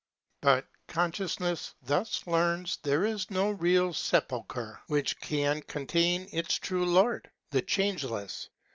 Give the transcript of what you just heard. But consciousness thus learns that there is no real sepulchre which can contain its true Lord, the Changeless.